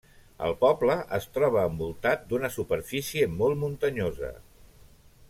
El poble es troba envoltat d'una superfície molt muntanyosa.